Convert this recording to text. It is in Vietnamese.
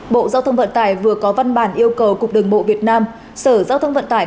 bộ giao thông vận tải vừa có văn bản yêu cầu cục đường bộ việt nam sở giao thông vận tải